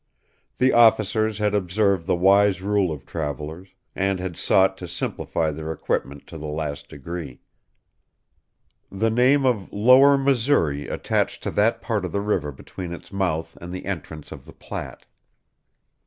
The officers had observed the wise rule of travelers, and had sought to simplify their equipment to the last degree. The name of Lower Missouri attached to that part of the river between its mouth and the entrance of the Platte.